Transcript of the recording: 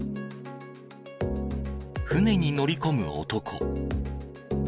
船に乗り込む男。